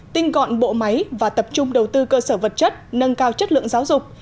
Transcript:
tinh gọn bộ máy và tập trung đầu tư cơ sở vật chất nâng cao chất lượng giáo dục